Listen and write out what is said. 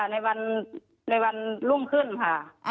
ในวันรุ่งขึ้นค่ะ